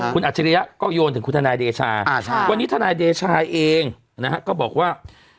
คุณอัจฉริยะก็โยนถึงคุณทนายเดชาวันนี้ทนายเดชาเองนะฮะก็บอกว่า